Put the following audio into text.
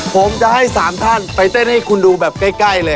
ผมจะให้๓ท่านไปเต้นให้คุณดูแบบใกล้เลย